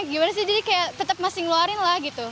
gimana sih jadi kayak tetap masih ngeluarin lah gitu